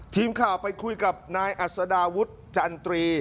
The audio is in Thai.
ทีมข่าวไปคุยกับนายอัศดาวุฒิจันตรี